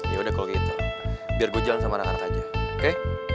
ya udah kalau gitu biar gue jalan sama anak anak aja oke